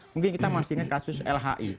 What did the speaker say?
mungkin kita masih ingat kasus lhi